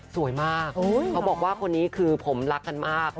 สวยมากเขาบอกว่าคนนี้คือผมรักกันมาก